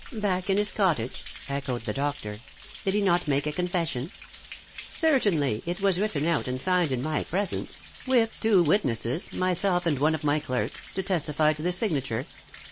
"Back in his cottage?" echoed the doctor. "Did he not make a confession?" "Certainly. It was written out and signed in my presence, with two witnesses myself and one of my clerks to testify to the signature."